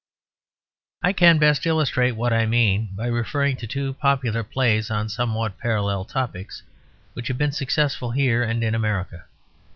I can best illustrate what I mean by referring to two popular plays on somewhat parallel topics, which have been successful here and in America.